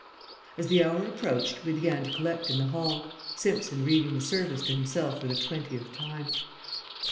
As the hour approached we began to collect in the hall, Simpson reading the service to himself for the twentieth time.